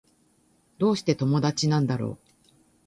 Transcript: どうして友達なんだろう